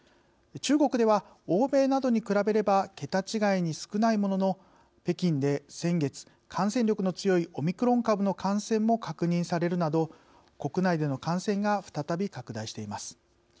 中国では、欧米などに比べれば桁違いに少ないものの北京で、先月感染力の強いオミクロン株の感染も確認されるなど国内での感染が再び拡大しています。